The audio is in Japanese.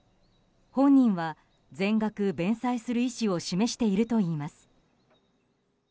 本人は全額弁済する意思を示しているといいます。